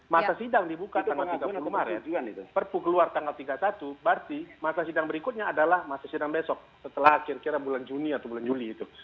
masa sidang dibuka tanggal tiga puluh maret perpu keluar tanggal tiga puluh satu berarti masa sidang berikutnya adalah masa sidang besok setelah kira kira bulan juni atau bulan juli itu